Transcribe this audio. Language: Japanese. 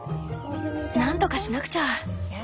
なんとかしなくちゃ。